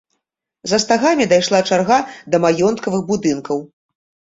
За стагамі дайшла чарга да маёнткавых будынкаў.